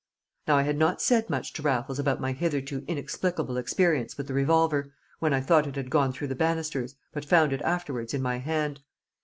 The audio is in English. Now I had not said much to Raffles about my hitherto inexplicable experience with the revolver, when I thought it had gone through the banisters, but found it afterwards in my hand.